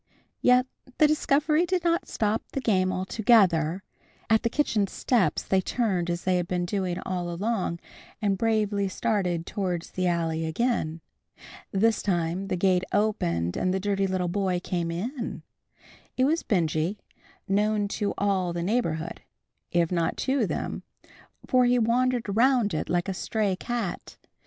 Yet the discovery did not stop the game altogether. At the kitchen steps they turned as they had been doing all along and bravely started towards the alley again. This time the gate opened and the dirty little boy came in. It was Benjy, known to all the neighborhood, if not to them, for he wandered around it like a stray cat.